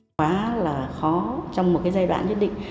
quá là khó trong một giai đoạn nhất định